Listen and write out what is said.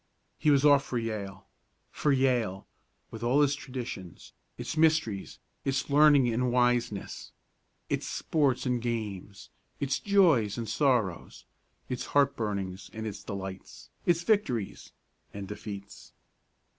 He was off for Yale for Yale, with all its traditions, its mysteries, its learning and wiseness, its sports and games, its joys and sorrows its heart burnings and its delights, its victories and defeats!